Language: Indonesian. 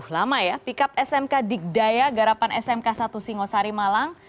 lama ya pickup smk dikdaya garapan smk satu singosari malang